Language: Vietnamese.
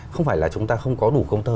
không phải là chúng ta không có đủ công tơ